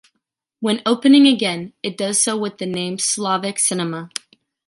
When opening again, it does so with the name Slavic Cinema.